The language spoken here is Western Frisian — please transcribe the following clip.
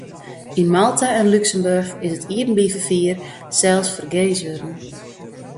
Yn Malta en Lúksemboarch is it iepenbier ferfier sels fergees wurden.